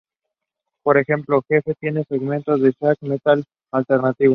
Por ejemplo, "Jefe" tiene segmentos de ska y metal alternativo.